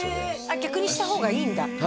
逆にした方がいいんだは